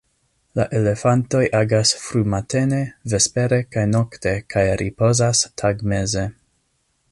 La elefantoj agas frumatene, vespere kaj nokte kaj ripozas tagmeze.